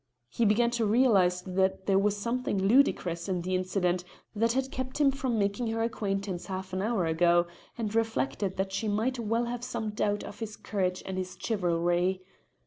He began to realise that there was something ludicrous in the incident that had kept him from making her acquaintance half an hour ago, and reflected that she might well have some doubt of his courage and his chivalry.